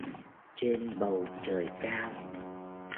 Trên bầu trời cao